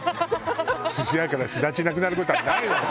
寿司屋からすだちなくなる事はないわよ。